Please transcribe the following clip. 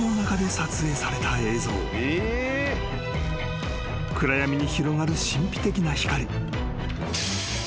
［暗闇に広がる神秘的な光］